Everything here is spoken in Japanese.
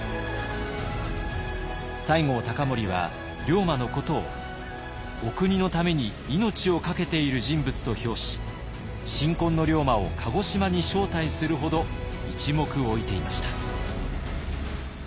西郷隆盛は龍馬のことをお国のために命をかけている人物と評し新婚の龍馬を鹿児島に招待するほど一目置いていました。